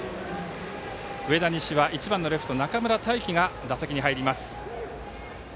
上田西は１番レフト中村太軌が打席に入ります。